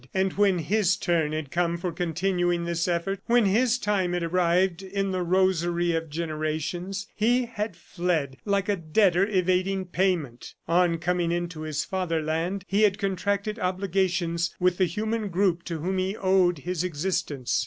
... And when his turn had come for continuing this effort, when his time had arrived in the rosary of generations he had fled like a debtor evading payment! ... On coming into his fatherland he had contracted obligations with the human group to whom he owed his existence.